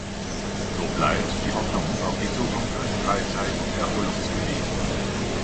So bleibt die Hoffnung auf die Zukunft als Freizeit- und Erholungsgebiet.